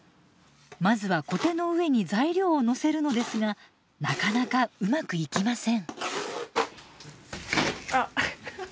まずはコテの上に材料をのせるのですがなかなかうまくいきません。